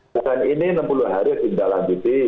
bukan ini enam puluh hari tidak lanjuti